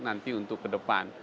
nanti untuk ke depan